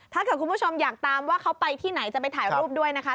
ถ้าเกิดคุณผู้ชมอยากตามว่าเขาไปที่ไหนจะไปถ่ายรูปด้วยนะคะ